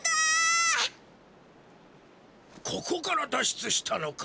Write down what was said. ここからだっ出したのか！？